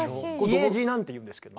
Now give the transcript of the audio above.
「家路」なんていうんですけど。